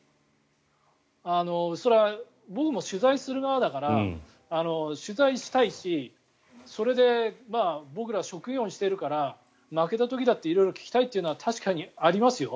それは僕も取材する側だから取材したいしそれで僕ら、職業にしているから負けた時だって色々聞きたいというのは確かにありますよ。